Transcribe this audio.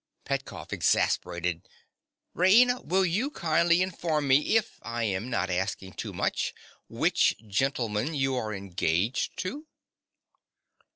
PETKOFF. (exasperated). Raina: will you kindly inform me, if I am not asking too much, which gentleman you are engaged to?